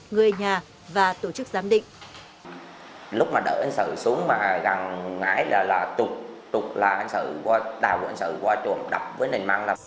người nhà và tổ chức giám định